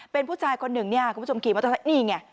เป็นผู้ชายคนหนึ่งเนี่ยคุณผู้ชมขี่มอเตอร์ไซค์นี่ไง